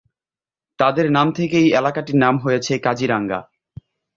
তাদের নাম থেকেই এলাকাটির নাম হয়েছে কাজিরাঙ্গা।